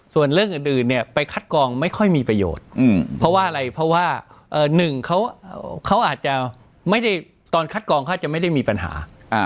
ส่วนเรื่องอื่นเนี่ยไปคัดกองไม่ค่อยมีประโยชน์เพราะว่าอะไรเพราะว่าหนึ่งเขาอาจจะไม่ได้ตอนคัดกองเขาจะไม่ได้มีปัญหา